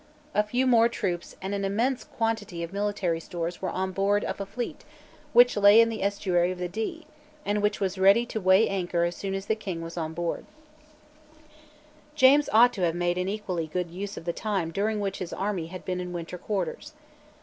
A few more troops and an immense quantity of military stores were on board of a fleet which lay in the estuary of the Dee, and which was ready to weigh anchor as soon as the King was on board, James ought to have made an equally good use of the time during which his army had been in winter quarters.